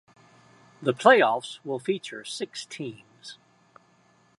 The playoffs will feature six teams.